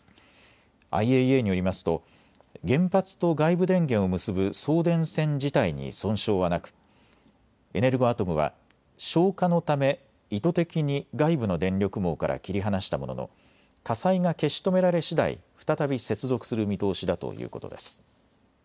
ＩＡＥＡによりますと原発と外部電源を結ぶ送電線自体に損傷はなくエネルゴアトムは消火のため意図的に外部の電力網から切り離したものの、火災が消し止められしだい再び接続する見通しだということです。